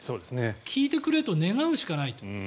効いてくれと願うしかないと。